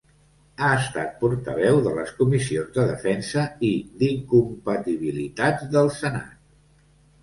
Ha estat portaveu de les Comissions de Defensa i d'Incompatibilitats del Senat.